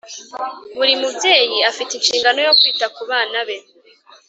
Buri mubyeyi afite inshingano yo kwita ku bana be